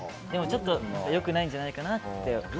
ちょっと良くないんじゃないかなって。